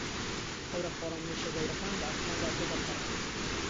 هەورە خۆڵەمێشییە گەورەکان بە ئاسماندا تێدەپەڕن.